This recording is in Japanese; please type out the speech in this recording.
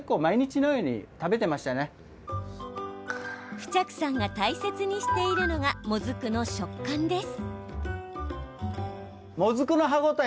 冨着さんが大切にしているのがもずくの食感です。